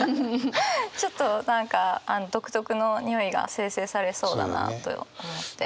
ちょっと何か独特のにおいが生成されそうだなと思って。